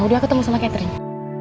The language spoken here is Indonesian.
udah ketemu sama catherine